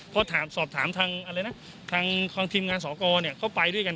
เพราะสอบถามทางทีมงานศอกรเข้าไปด้วยกัน